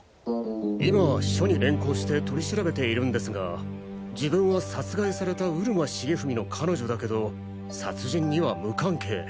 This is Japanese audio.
今は署に連行して取り調べているんですが自分は殺害された閏間茂史の彼女だけど殺人には無関係。